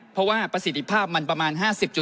เพราะว่าประสิทธิภาพมันประมาณ๕๐